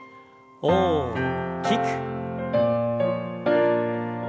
大きく。